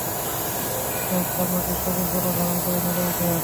অকস্মাৎ চামড়াটি সবুজ বর্ণ ধারণ করে নড়ে উঠে।